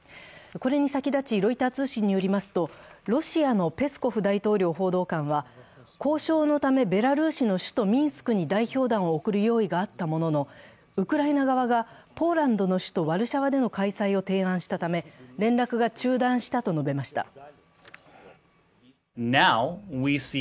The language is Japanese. これに先立ち、ロイター通信によりますとロシアのペスコフ大統領報道官は交渉のためベラルーシの首都ミンスクに代表団を送る用意があったもののウクライナ側がポーランドの首都ワルシャワでの開催を提案したため、連絡が中断したと述べました。